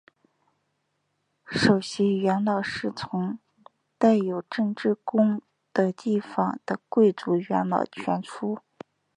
首席元老是从带有执政官的地位的贵族元老选出。